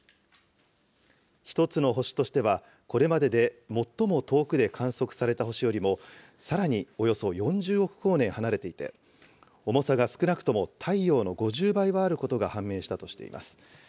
一つの星としては、これまでで最も遠くで観測された星よりもさらにおよそ４０億光年離れていて、重さが少なくとも太陽の５０倍はあることが判明したとしています。